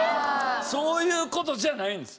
そういう事じゃないんです。